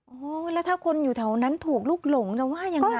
โอ้โหแล้วถ้าคนอยู่แถวนั้นถูกลุกหลงจะว่ายังไง